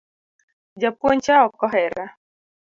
Japuonj cha ok ohera